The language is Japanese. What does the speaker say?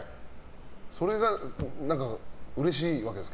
それがうれしいわけですか？